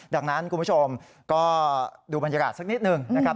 ดังนั้นคุณผู้ชมก็ดูบรรยากาศสักนิดหนึ่งนะครับ